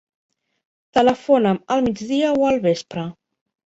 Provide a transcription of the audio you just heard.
Telefona'm al migdia o al vespre.